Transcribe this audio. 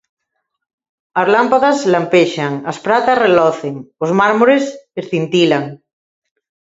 As lámpadas lampexan, as pratas relocen, os mármores escintilan;